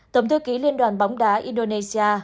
tổng thư ký liên đoàn bóng đá indonesia